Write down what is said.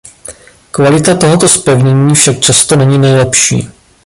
Kvalita tohoto zpevnění však často není nejlepší.